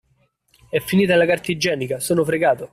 E' finita la carta igienica, sono fregato!